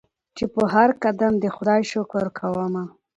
چي پر هرقدم د خدای شکر کومه